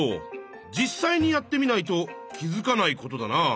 実際にやってみないと気づかないことだな。